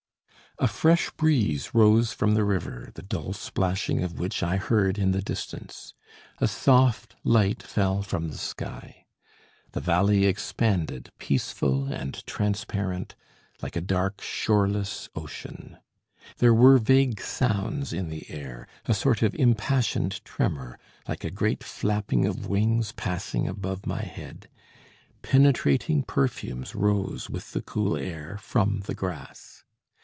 A fresh breeze rose from the river, the dull splashing of which I heard in the distance. A soft light fell from the sky. The valley expanded, peaceful and transparent, like a dark shoreless ocean. There were vague sounds in the air, a sort of impassioned tremor, like a great flapping of wings passing above my head. Penetrating perfumes rose with the cool air from the grass.